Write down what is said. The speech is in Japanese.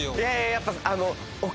やっぱ。